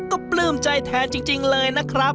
ก็ปลื้มใจแทนจริงเลยนะครับ